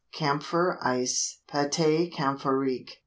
CAMPHOR ICE (PÂTE CAMPHORIQUE).